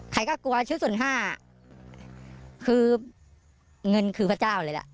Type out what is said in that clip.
ใครก็กลัวชุดส่วนห้าคือเงินคือพระเจ้าเลยล่ะ